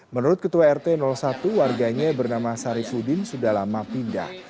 menurut ketua rt satu warganya bernama sarifudin sudah lama pindah